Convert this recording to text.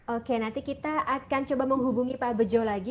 oke nanti kita akan coba menghubungi pak bejo lagi